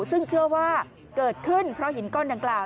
ซึ่งเชื่อว่าเกิดขึ้นเพราะหินก้อนดังกล่าว